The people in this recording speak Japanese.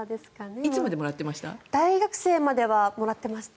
いつまでもらってました？